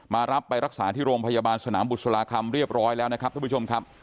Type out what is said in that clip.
รับไปรักษาที่โรงพยาบาลสนามบุษลาคำเรียบร้อยแล้วนะครับท่านผู้ชมครับ